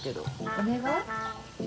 お願い？